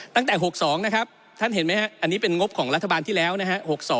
ตั้งแต่๖๒นะครับท่านเห็นไหมฮะอันนี้เป็นงบของรัฐบาลที่แล้วนะฮะ๖๒